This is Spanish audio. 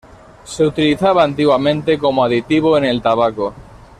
Se utilizaba antiguamente como aditivo en el tabaco